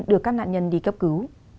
được các nạn nhân đi cấp cứu